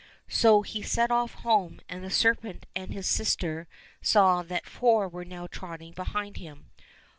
So he set off home, and the serpent and his sister saw that four were now trotting behind him.